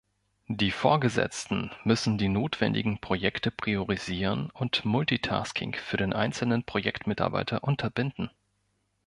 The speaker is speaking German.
Die Vorgesetzten müssen die notwendigen Projekte priorisieren und Multitasking für den einzelnen Projektmitarbeiter unterbinden.